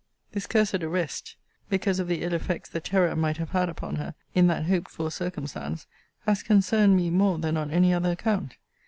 This cursed arrest, because of the ill effects the terror might have had upon her, in that hoped for circumstance, has concerned me more than on any other account.